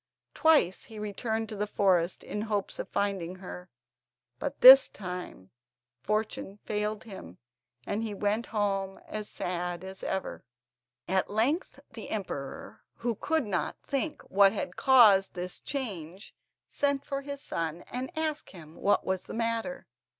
Twice he returned to the forest in the hopes of finding her, but this time fortune failed him, and he went home as sad as ever. At length the emperor, who could not think what had caused this change, sent for his son and asked him what was the matter.